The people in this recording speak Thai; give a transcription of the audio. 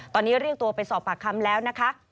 ตอนนี้เรียกตัวไปสอบปากคำแล้วนะคะ